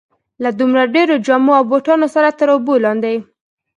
له دومره ډېرو جامو او بوټانو سره تر اوبو لاندې.